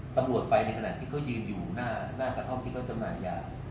ตำรวจไปในขณะที่เขายืนอยู่หน้ากระท่อมที่เขาจำหน่ายยา